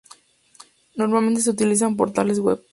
Normalmente se utilizan portales web.